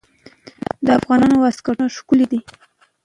د افغانستان واسکټونه ښکلي دي